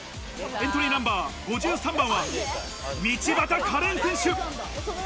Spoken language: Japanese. エントリーナンバー５３番は道端カレン選手。